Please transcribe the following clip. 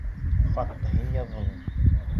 — Хатты һин яҙҙыңмы?